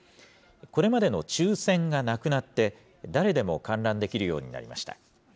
これまでの抽せんがなくなって、誰でも観覧できるようになりました。